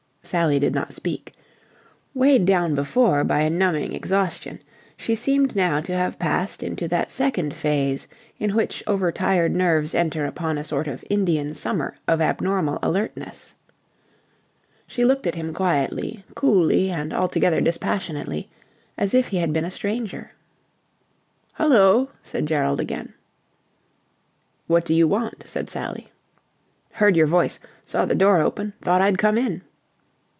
Sally did not speak. Weighed down before by a numbing exhaustion, she seemed now to have passed into that second phase in which over tired nerves enter upon a sort of Indian summer of abnormal alertness. She looked at him quietly, coolly and altogether dispassionately, as if he had been a stranger. "Hullo!" said Gerald again. "What do you want?" said Sally. "Heard your voice. Saw the door open. Thought I'd come in."